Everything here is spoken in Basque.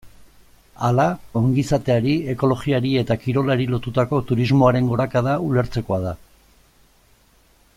Hala, ongizateari, ekologiari eta kirolari lotutako turismoaren gorakada ulertzekoa da.